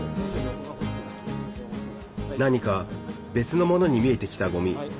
何か別のものに見えてきたごみ。